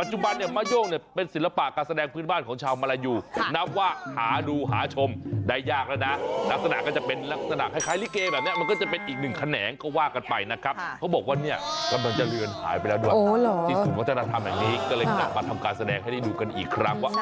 ปัจจุบันเนี่ยมะโย่งเนี่ยเป็นศิลปะการแสดงพื้นบ้านของชาวมาลายูนับว่าหาดูหาชมได้ยากแล้วนะลักษณะก็จะเป็นลักษณะคล้ายลิเกแบบนี้มันก็จะเป็นอีกหนึ่งแขนงก็ว่ากันไปนะครับเขาบอกว่าเนี่ยกำลังจะเลือนหายไปแล้วด้วยที่ศูนย์วัฒนธรรมแห่งนี้ก็เลยกลับมาทำการแสดงให้ได้ดูกันอีกครั้งว่า